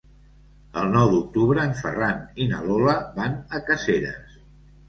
El nou d'octubre en Ferran i na Lola van a Caseres.